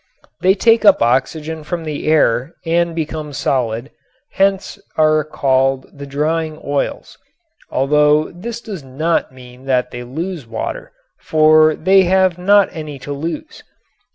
They take up oxygen from the air and become solid, hence are called the "drying oils," although this does not mean that they lose water, for they have not any to lose.